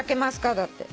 だって。